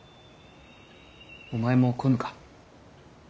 お前も来ぬか。